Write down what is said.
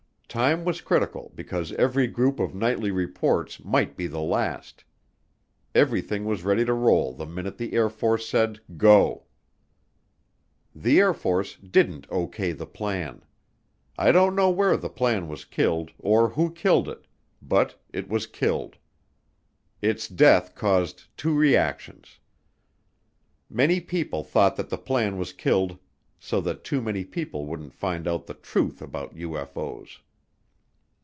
Time was critical because every group of nightly reports might be the last. Everything was ready to roll the minute the Air Force said "Go." The Air Force didn't O.K. the plan. I don't know where the plan was killed, or who killed it, but it was killed. Its death caused two reactions. Many people thought that the plan was killed so that too many people wouldn't find out the truth about UFO's.